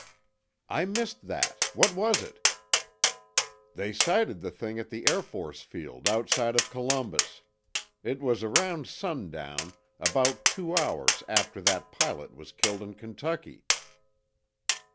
"I missed that. What was it?" "They sighted the thing at the Air Force field outside of Columbus. It was around sundown, about two hours after that pilot was killed in Kentucky."